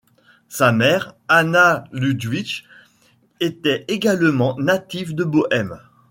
Sa mère, Anna Ludwig, était également native de Bohême.